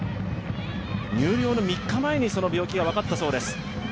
入寮の３日間前にその病気が分かったそうです。